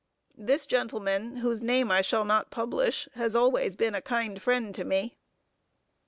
This gentleman, whose name I shall not publish, has always been a kind friend to me.